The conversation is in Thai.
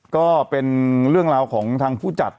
ก็เป็นเรื่องราวของทางผู้จัด